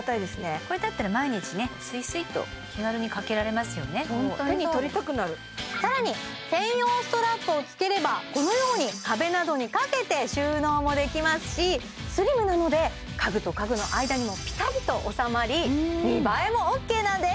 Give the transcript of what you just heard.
これだったら手に取りたくなる更に専用ストラップをつければこのように壁などに掛けて収納も出来ますしスリムなので家具と家具の間にもピタリと納まり見栄えもＯＫなんです